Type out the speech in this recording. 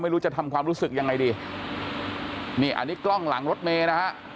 ไม่รู้จะทำความรู้สึกยังไงดีนี่อันนี้กล้องหลังรถเมย์นะฮะ